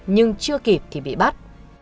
nhưng chưa kịp thì bị bắt